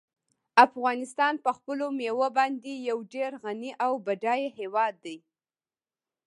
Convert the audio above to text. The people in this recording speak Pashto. افغانستان په خپلو مېوو باندې یو ډېر غني او بډای هېواد دی.